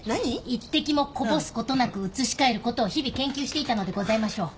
１滴もこぼすことなく移し替えることを日々研究していたのでございましょう。